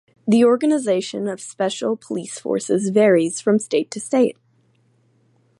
The organization of special police forces varies from state to state.